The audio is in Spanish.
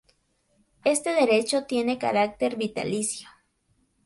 Este derecho tiene carácter vitalicio.